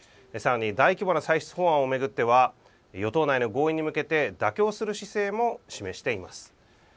さらに大規模な歳出法案を巡っては与党内の合意に向けて妥協する姿勢も示しています。